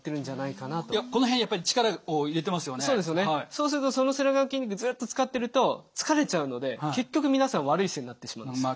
そうするとその背中の筋肉ずっと使ってると疲れちゃうので結局皆さん悪い姿勢になってしまうんですよ。